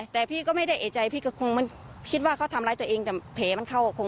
แต่ไม่ได้เอกใจว่ากินไม่สงสาร